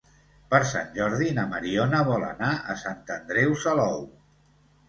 Per Sant Jordi na Mariona vol anar a Sant Andreu Salou.